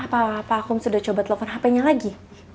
apa pak akum sudah coba telepon hpnya lagi